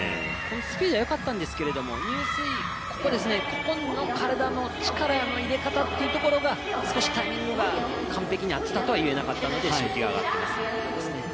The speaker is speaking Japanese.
スピードはよかったんですが入水の、体のここの力の入れ方っていうのが少しタイミングが完璧に合っていたとは言えなかったのでしぶきが上がったと思いますね。